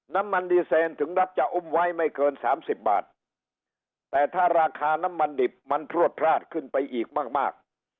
น้ำมันดีเซนถึงรัฐจะอุ้มไว้ไม่เกินสามสิบบาทแต่ถ้าราคาน้ำมันดิบมันพลวดพลาดขึ้นไปอีกมากมาก